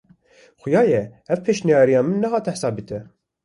Xuya ye ev pêşniyara min nehate hesabê te.